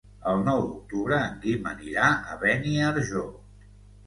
El nou d'octubre en Guim anirà a Beniarjó.